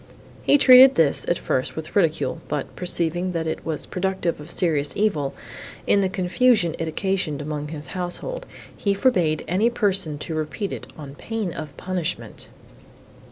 He treated this, at first, with ridicule, but, perceiving, that it was productive of serious evil, in the confusion it occasioned among his household, he forbade any person to repeat it, on pain of punishment.